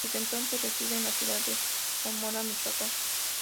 Desde entonces, reside en la ciudad de Zamora, Michoacán.